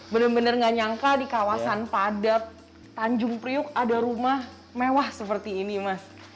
bener bener gak nyangka di kawasan padat tanjung priuk ada rumah mewah seperti ini mas